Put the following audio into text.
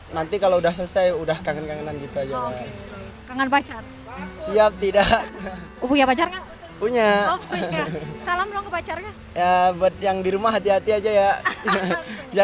nanti kalau sudah selesai sudah kangen kangenan gitu aja